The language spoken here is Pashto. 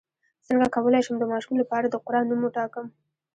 څنګه کولی شم د ماشوم لپاره د قران نوم وټاکم